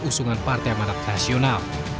usungan partai amanat nasional